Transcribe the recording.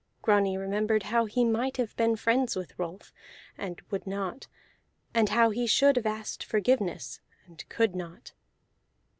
Grani remembered how he might have been friends with Rolf, and would not; and how he should have asked forgiveness, and could not.